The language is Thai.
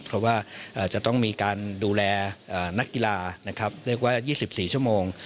เพราะว่าจะต้องมีการดูแลนักกีฬานะครับเรียกว่า๒๔ชั่วโมง